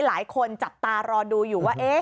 หลายคนจับตารอดูอยู่ว่า